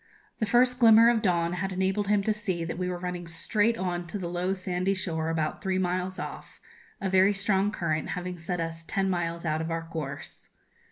The first glimmer of dawn had enabled him to see that we were running straight on to the low sandy shore, about three miles off, a very strong current having set us ten miles out of our course.